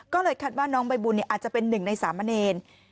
ก็เลยคัดว่าน้องใบบุญอาจจะเป็น๑ใน๓มะเนน